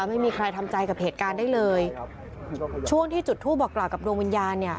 ไม่มีใครทำใจกับเหตุการณ์ได้เลยช่วงที่จุดทูปบอกกล่าวกับดวงวิญญาณเนี่ย